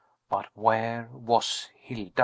But where was Hilda?